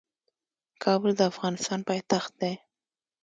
کابل د افغانستان پايتخت دي.